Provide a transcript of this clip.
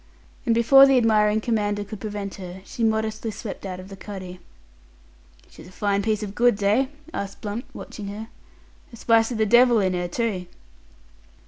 And before the admiring commander could prevent her, she modestly swept out of the cuddy. "She's a fine piece of goods, eh?" asked Blunt, watching her. "A spice o' the devil in her, too."